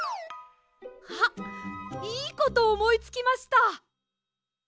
あっいいことおもいつきました！